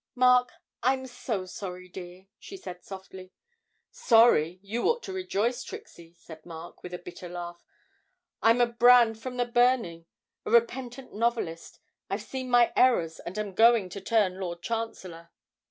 'Mark, I'm so sorry, dear,' she said softly. 'Sorry! you ought to rejoice, Trixie,' said Mark, with a bitter laugh. 'I'm a brand from the burning a repentant novelist, I've seen my errors and am going to turn Lord Chancellor.'